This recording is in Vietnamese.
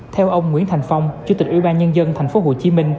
theo ông nguyễn thành phong chủ tịch ủy ban nhân dân tp hcm